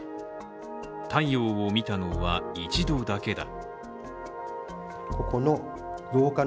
太陽を見たのは一度だけだ。